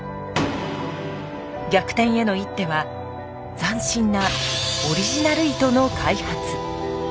逆転への一手は斬新なオリジナル糸の開発。